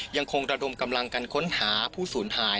ยังคงระดมกำลังกันค้นหาผู้สูญหาย